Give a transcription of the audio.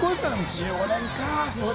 １５年か。